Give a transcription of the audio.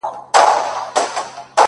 چي وركوي څوك په دې ښار كي جينكو ته زړونه؛